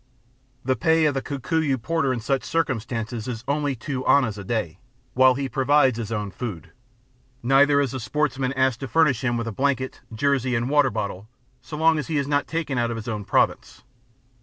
The pay of the Kikuyu porter in such circumstances is only two annas a day, while he provides his own food; neither is the sportsman asked to furnish him with a blanket, jersey, and water bottle so long as he is not taken out of his own Province.